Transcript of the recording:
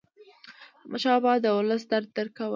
احمدشاه بابا د ولس درد درک کاوه.